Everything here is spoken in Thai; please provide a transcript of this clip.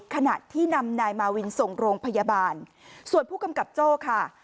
ขณะที่นำนายมาวินส่งโรงพยาบาลส่วนผู้กำกับโจ้ค่ะ